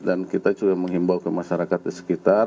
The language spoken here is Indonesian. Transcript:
dan kita juga menghimbau ke masyarakat di sekitar